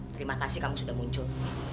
terima kasih kamu sudah muncul